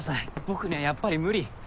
僕にはやっぱり無理。